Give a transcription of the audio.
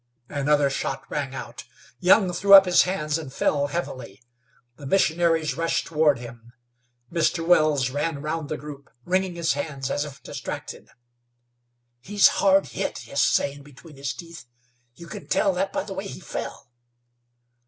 Another shot rang out. Young threw up his hands and fell heavily. The missionaries rushed toward him. Mr. Wells ran round the group, wringing his hands as if distracted. "He's hard hit," hissed Zane, between his teeth. "You can tell that by the way he fell."